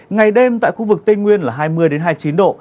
ngày đêm tại khu vực tây nguyên là hai mươi hai mươi chín độ